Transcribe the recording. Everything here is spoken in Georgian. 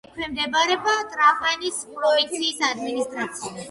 ექვემდებარება ტრაპანის პროვინციის ადმინისტრაციას.